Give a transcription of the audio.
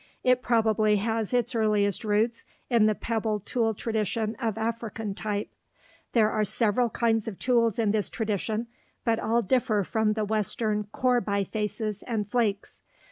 It probably has its earliest roots in the pebble tool tradition of African type. There are several kinds of tools in this tradition, but all differ from the western core bifaces and flakes.